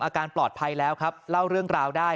อาการปลอดภัยแล้วครับเล่าเรื่องราวได้